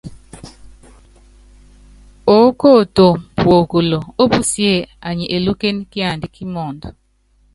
Oókoto puokolo ópusíé anyi elúkéne kiandá kí mɔɔnd.